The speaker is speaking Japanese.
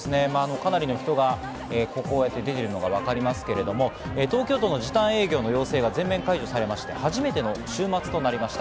かなりの人が出ているのがわかりますが、東京都の時短営業の要請が全面解除されて初めての週末となりました。